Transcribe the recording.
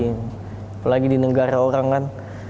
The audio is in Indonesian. apalagi di negara orang kan